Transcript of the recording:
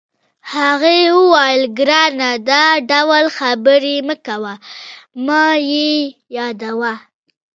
هغې وویل: ګرانه، دا ډول خبرې مه کوه، مه یې یادوه.